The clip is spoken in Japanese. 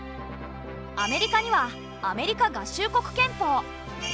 アメリカにはアメリカ合衆国憲法。